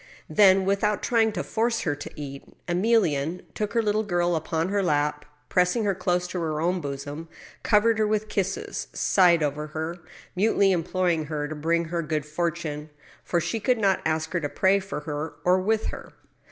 Then, without trying to force her to eat, Emiiienne took her little girl upon her lap, and, pressing her close to her own bosom, covered her with kisses, sighed over her, mutely imploring her to bring her good fortune, for she could not ask her to pray for her or with her.